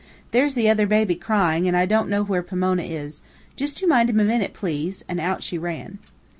There's the other baby, crying, and I don't know where Pomona is. Just you mind him a minute, please!" and out she ran.